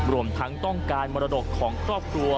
รวมทั้งต้องการมรดกของครอบครัว